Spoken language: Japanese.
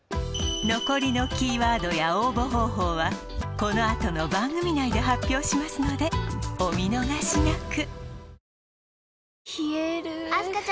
残りのキーワードや応募方法はこのあとの番組内で発表しますのでお見逃しなく！